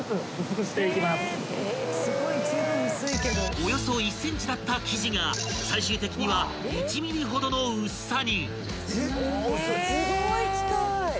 ［およそ１ｃｍだった生地が最終的には１ｍｍほどの薄さに］あ薄い！